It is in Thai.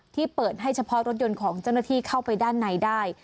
เปิดให้เฉพาะรถยนต์ของเจ้าหน้าที่เข้าไปด้านในได้